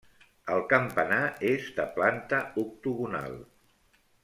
El campanar és de planta octogonal.